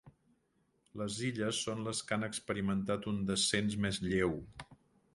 Les Illes són les que han experimentat un descens més lleu.